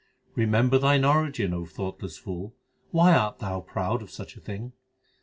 Remember thine origin, O thoughtless fool ; Why art thou proud of such a thing